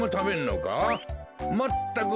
まったく！